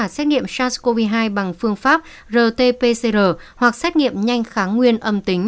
xét nghiệm sars cov hai bằng phương pháp rt pcr hoặc xét nghiệm nhanh kháng nguyên âm tính